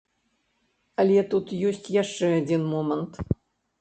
Але тут ёсць яшчэ адзін момант.